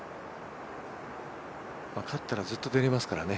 勝ったらずっと出られますからね。